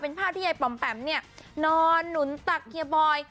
เป็นภาพที่ยายปอมแปมเนี่ยนอนหนุนตักเฮียบอย